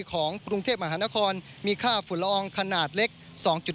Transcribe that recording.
ของกรุงเทพมหานครมีค่าฝึกลอง